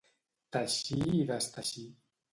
Teixir i desteixir.